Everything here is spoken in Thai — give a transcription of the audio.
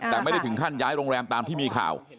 แต่ไม่ได้ถึงขั้นย้ายโรงแรมตามที่มีข่าว